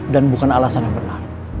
dan bukan alasan yang benar